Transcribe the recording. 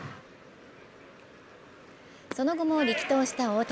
その後も力投した大谷。